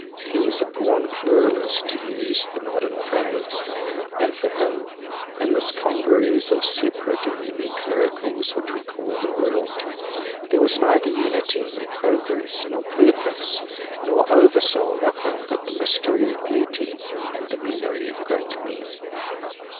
He was a born "Pluralist" to use the modern phrase; and for him, in this congeries of separate and unique miracles, which we call the World, there was neither Unity, nor Progress, nor Purpose, nor Over soul nothing but the mystery of Beauty, and the Memory of great men!